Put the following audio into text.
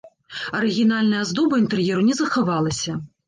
Арыгінальная аздоба інтэр'еру не захавалася.